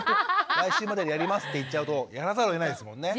「来週までにやります」って言っちゃうとやらざるをえないですもんね。